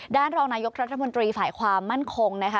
รองนายกรัฐมนตรีฝ่ายความมั่นคงนะคะ